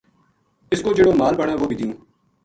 اس کو جہیڑو مال بنے وہ بھی دیوں